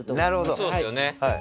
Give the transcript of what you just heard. そうですよね。